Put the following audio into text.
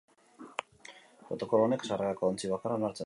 Protokolo honek sarrerako ontzi bakarra onartzen du.